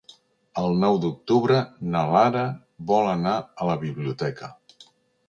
El nou d'octubre na Lara vol anar a la biblioteca.